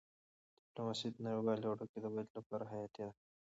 ډيپلوماسي د نړیوالو اړیکو د ودي لپاره حیاتي ده.